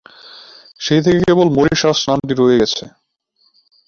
সেই থেকে কেবল মরিশাস নামটি রয়ে গেছে।